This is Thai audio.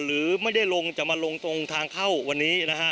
หรือไม่ได้ลงจะมาลงตรงทางเข้าวันนี้นะฮะ